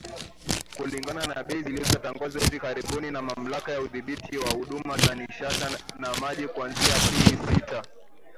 Kulingana na bei zilizotangazwa hivi karibuni na Mamlaka ya Udhibiti wa Huduma za Nishati na Maji kuanzia Aprili sita